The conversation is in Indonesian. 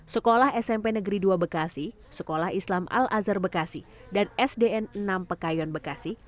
sekolah smp negeri dua bekasi sekolah islam al azhar bekasi dan sdn enam pekayon bekasi